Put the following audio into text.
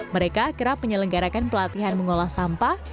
mereka kerap menyelenggarakan pelatihan mengolah sampah